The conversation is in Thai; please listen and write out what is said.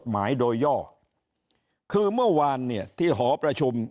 หมายโดยย่อคือเมื่อวานเนี่ยที่หอประชุม